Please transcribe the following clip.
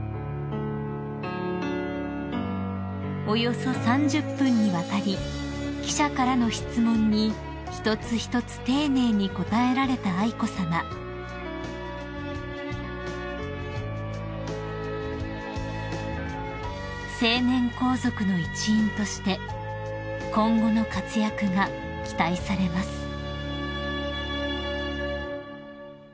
［およそ３０分にわたり記者からの質問に一つ一つ丁寧に答えられた愛子さま］［成年皇族の一員として今後の活躍が期待されます］